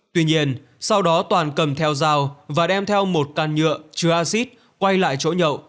tuy nhiên sau đó toàn cầm theo dao và đem theo một càn nhựa chứa acid quay lại chỗ nhậu